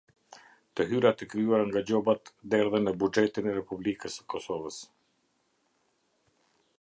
Të hyrat e krijuara nga gjobat derdhen në buxhetin e Republikës të Kosovës.